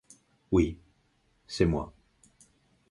Oui, c’est moi…